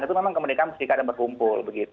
itu memang kemerdekaan mustiqadang berkumpul